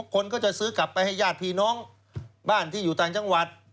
คนก็จะซื้อกลับไปให้ญาติพี่น้องบ้านที่อยู่ต่างจังหวัด